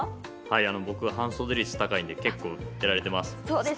僕、半袖率が高いので結構やられてます。